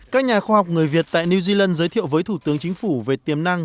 các nhà khoa học người việt tại new zealand giới thiệu với thủ tướng chính phủ về tiềm năng